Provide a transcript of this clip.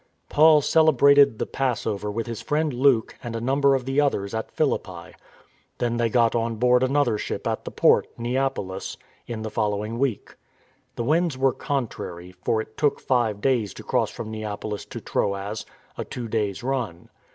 Paul celebrated the Passover with his friend Luke and a number of the others at Philippi. Then they got on board another ship at the port, Neapolis, in the following week. The winds were contrary, for it took five days to cross from Neapolis to Troas, a two days' run.